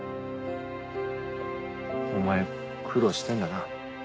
お前苦労してんだな。